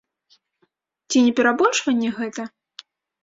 Ці не перабольшванне гэта?